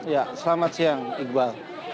ya selamat siang iqbal